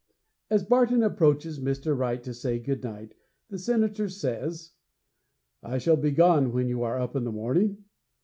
As Barton approaches Mr. Wright to say Good night, the Senator says: 'I shall be gone when you are up in the morning.